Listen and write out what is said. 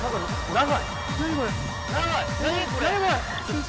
長い！